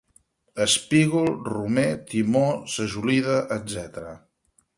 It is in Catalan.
Espígol, romer, timó, sajolida, etc.